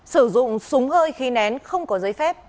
sử dụng súng hơi khí nén không có giấy phép